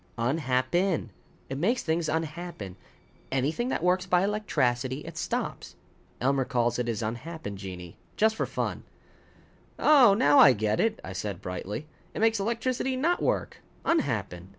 "Unhap pen. It makes things unhappen. Anything that works by electracity, it stops. Elmer calls it his unhappen genii. Just for fun." "Oh, now I get it," I said brightly. "It makes electricity not work unhappen.